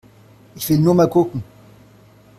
Ich will nur mal gucken!